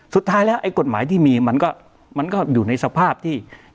สุดท้ายแล้วไอ้กฎหมายที่มีมันก็อยู่ในสภาพที่